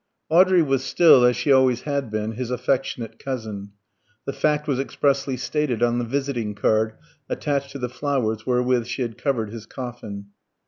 Audrey was still (as she always had been) his affectionate cousin. The fact was expressly stated on the visiting card attached to the flowers wherewith she had covered his coffin.